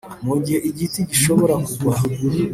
mugihe igiti gishobora kugwa